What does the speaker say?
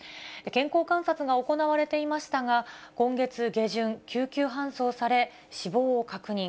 健康観察が行われていましたが、今月下旬、救急搬送され、死亡を確認。